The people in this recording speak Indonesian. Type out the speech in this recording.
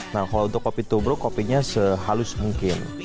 nah kalau untuk kopi tubro kopinya sehalus mungkin